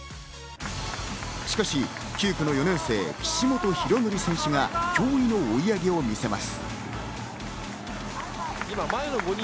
しかし９区の４年生・岸本大紀選手が驚異の追い上げを見せます。